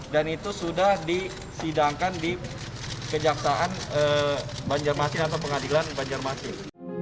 dan itu sudah disidangkan di kejaksaan banjarmasin atau pengadilan banjarmasin